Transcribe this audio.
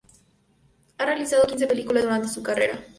Ha realizado quince películas durante su carrera.